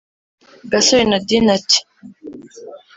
Gasore Nadine ati